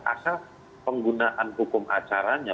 asal penggunaan hukum acaranya